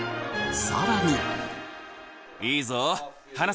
さらに！